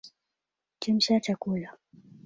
Chemsha chakula.